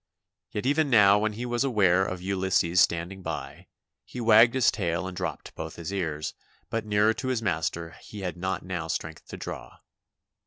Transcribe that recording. Yet even now when he was aware of Ulysses standing by, he wagged his tail and dropped both his ears, but nearer to his master he had not now strength to draw.